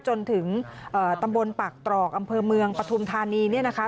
จนถึงตำบลปากตรอกอำเภอเมืองปฐุมธานีเนี่ยนะคะ